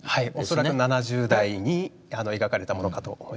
恐らく７０代に描かれたものかと思います。